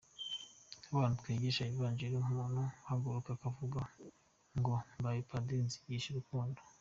Nk’abantu twigisha ivanjiri umuntu agahaguruka akavuga ngo mbaye padiri nzigisha urukundo.